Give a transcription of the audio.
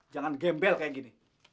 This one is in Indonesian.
jangan gembel kayak gini